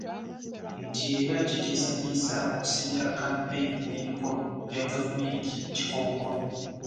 Nti era ne kitiisatiisa okusibira kkampeyini n'emikolo gya gavumenti ekikookolo.